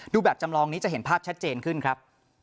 แบบจำลองนี้จะเห็นภาพชัดเจนขึ้นครับ